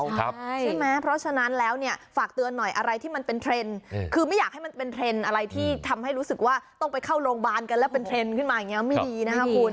ใช่ไหมเพราะฉะนั้นแล้วเนี่ยฝากเตือนหน่อยอะไรที่มันเป็นเทรนด์คือไม่อยากให้มันเป็นเทรนด์อะไรที่ทำให้รู้สึกว่าต้องไปเข้าโรงพยาบาลกันแล้วเป็นเทรนด์ขึ้นมาอย่างนี้ไม่ดีนะครับคุณ